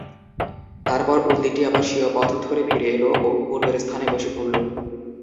তারপর উল্লীটি আবার স্বীয় পথ ধরে ফিরে এল ও পূর্বের স্থানে বসে পড়ল।